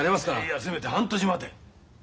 いやせめて半年待て。